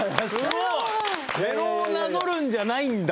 すごい！メロをなぞるんじゃないんだ。